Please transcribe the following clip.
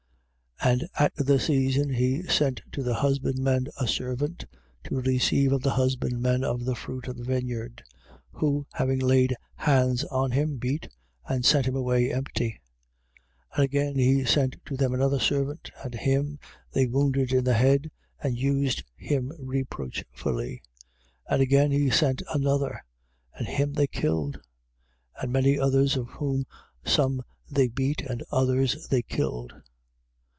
12:2. And at the season he sent to the husbandmen a servant to receive of the husbandmen of the fruit of the vineyard. 12:3. Who, having laid hands on him, beat and sent him away empty. 12:4. And again he sent to them another servant: and him they wounded in the head and used him reproachfully. 12:5. And again he sent another, and him they killed: and many others, of whom some they beat, and others they killed.